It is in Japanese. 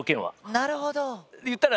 なるほど。